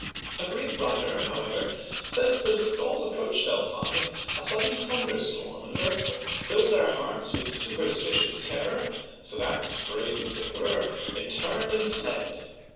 A Greek writer, however, says that as the Gauls approached Delphi a sudden thunder storm and earthquake filled their hearts with superstitious terror, so that, brave as they were, they turned and fled